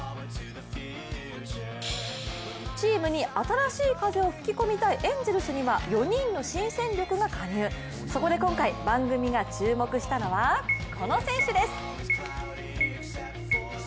チームに新しい風を吹き込みたいエンゼルスには４人の新戦力が加入、そこで今回、番組が注目したのがこの選手です。